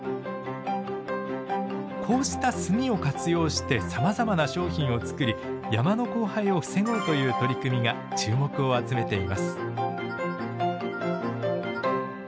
こうした炭を活用してさまざまな商品を作り山の荒廃を防ごうという取り組みが注目を集めています。